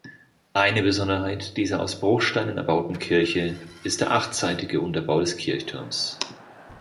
Eine Besonderheit dieser aus Bruchsteinen erbauten Kirche ist der achtseitige Unterbau des Kirchturms.